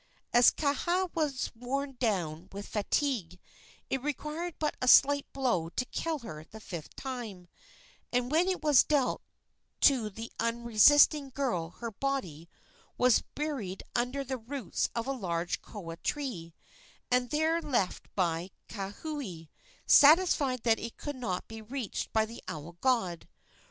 As Kaha was worn down with fatigue, it required but a slight blow to kill her the fifth time, and when it was dealt to the unresisting girl her body was buried under the roots of a large koa tree, and there left by Kauhi, satisfied that it could not be reached by the owl god.